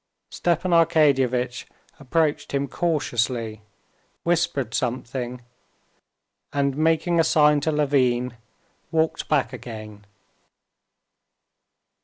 Stepan Arkadyevitch approached him cautiously, whispered something, and making a sign to Levin, walked back again.